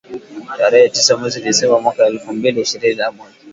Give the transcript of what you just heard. tarehe tisa mwezi Disemba mwaka elfu mbili na ishirini na moja